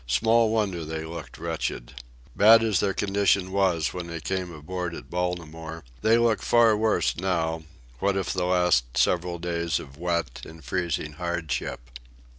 Small wonder they look wretched. Bad as their condition was when they came aboard at Baltimore, they look far worse now, what of the last several days of wet and freezing hardship.